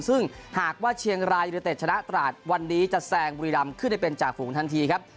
ซึ่งหากว่าเชียงรายยูนิเต็ดชนะตราดวันนี้จะแซงบุรีรำขึ้นได้เป็นจ่าฝูงทันทีครับ